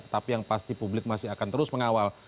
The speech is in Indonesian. tetapi yang pasti publik masih akan terus mengawal